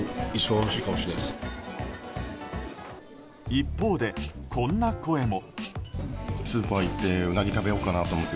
一方で、こんな声も。